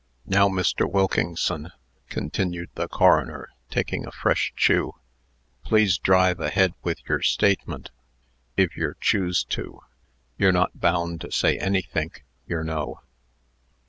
"Now, Mr. Wilkingson," continued the coroner, taking a fresh chew, "please drive ahead with yer statement if yer choose to. Yer not bound to say anythink, yer know."